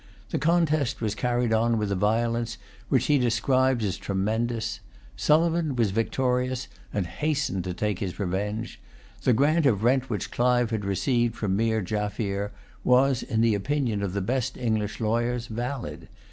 The contest was carried on with a violence which he describes as tremendous. Sulivan was victorious, and hastened to take his revenge. The grant of rent which Clive had received from Meer Jaffier was, in the opinion of the best English lawyers, valid.